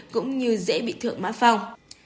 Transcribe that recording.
cũng như dễ bị thượng má phong